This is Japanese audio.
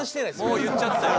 もう言っちゃったよ。